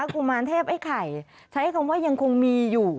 กุมารเทพไอ้ไข่ใช้คำว่ายังคงมีอยู่